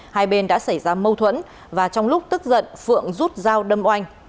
hai bên đã xảy ra mâu thuẫn và trong lúc tức giận phượng rút dao đâm oanh